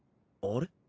あれ？